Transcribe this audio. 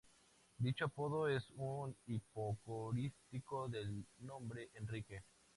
Dicho apodo es un hipocorístico del nombre Enrique.